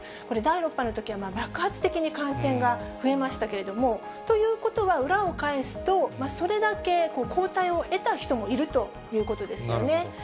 これ、第６波のときは爆発的に感染が増えましたけれども、ということは裏を返すと、それだけ抗体を得た人もいるということですよね。